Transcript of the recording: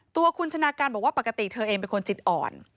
ตัวคุณชนะการบอกว่าปกติเธอเองเป็นคนจิตอ่อน